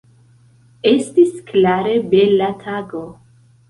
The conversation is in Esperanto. Estis klare bela tago.